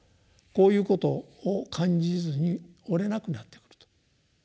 こういうことを感じずにおれなくなってくると。